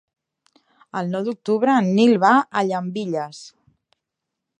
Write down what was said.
El nou d'octubre en Nil va a Llambilles.